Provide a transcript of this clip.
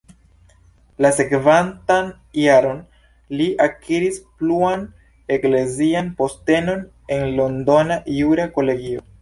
La sekvantan jaron li akiris pluan eklezian postenon en londona jura kolegio.